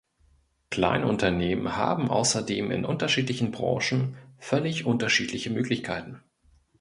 Kleinunternehmen haben außerdem in unterschiedlichen Branchen völlig unterschiedliche Möglichkeiten.